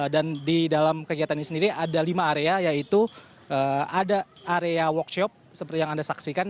dan di dalam kegiatan ini sendiri ada lima area yaitu ada area workshop seperti yang anda saksikan